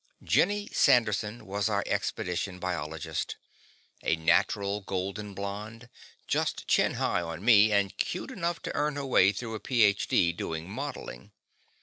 Jenny Sanderson was our expedition biologist. A natural golden blonde, just chin high on me, and cute enough to earn her way through a Ph. D. doing modelling.